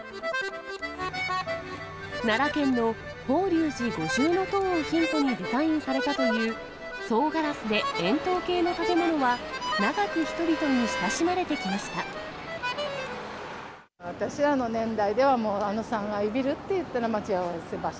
奈良県の法隆寺五重塔をヒントにデザインされたという、総ガラスで円筒形の建物は、私らの年代ではもう、あの三愛ビルっていったら待ち合わせ場所。